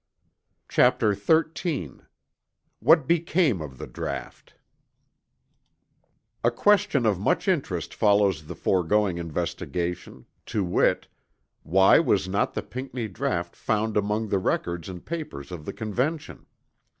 CHAPTER XIII WHAT BECAME OF THE DRAUGHT A question of much interest follows the foregoing investigation; to wit, why was not the Pinckney draught found among the records and papers of the Convention?